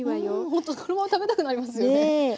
ほんとこのまま食べたくなりますよね。